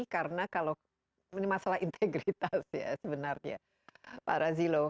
karena kalau ini masalah integritas ya sebenarnya pak razilo